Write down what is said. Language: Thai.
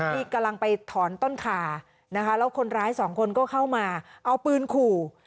ที่กำลังไปถอนต้นขานะคะแล้วคนร้ายสองคนก็เข้ามาเอาปืนขู่